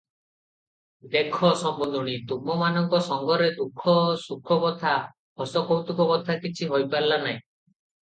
ଦେଖ ସମୁନ୍ଧୁଣୀ ତୁମ୍ଭମାନଙ୍କ ସଙ୍ଗରେ ଦୁଃଖ ସୁଖ କଥା, ହସକୌତୁକ କଥା କିଛି ହୋଇପାରିଲା ନାହିଁ ।